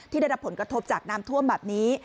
ได้รับผลกระทบจากน้ำท่วมแบบนี้